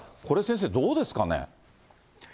これ、先生、どうですかね。